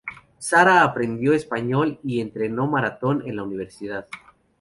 Sarah aprendió español y entrenó maratón en la universidad.